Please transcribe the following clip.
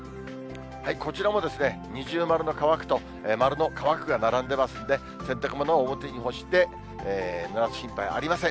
こちらも二重丸の乾くと丸の乾くが並んでますんで、洗濯物を表に干して、ぬらす心配はありません。